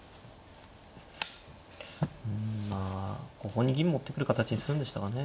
ここに銀持ってくる形にするんでしたかね。